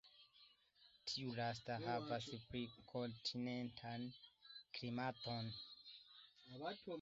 Tiu lasta havas pli kontinentan klimaton.